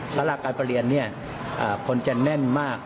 ศาลาการประเรียนเนี่ยอ่าคนจะแน่นมาก